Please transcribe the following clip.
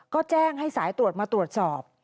ก็แจ้งให้สายตรวจมาตรวจสอบ